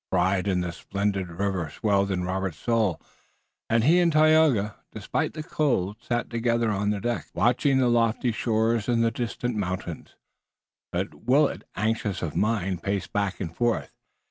Pride in the splendid river swelled in Robert's soul and he and Tayoga, despite the cold, sat together on the deck, watching the lofty shores and the distant mountains. But Willet, anxious of mind, paced back and forth.